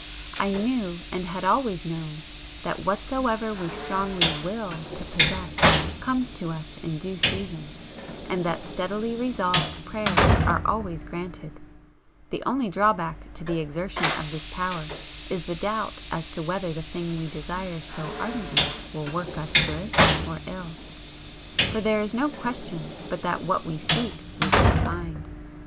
I knew, and had always known, that whatsoever we strongly WILL to possess comes to us in due season; and that steadily resolved prayers are always granted; the only drawback to the exertion of this power is the doubt as to whether the thing we desire so ardently will work us good or ill. For there is no question but that what we seek we shall find.